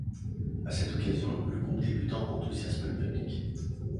À cette occasion, le groupe débutant enthousiasme le public.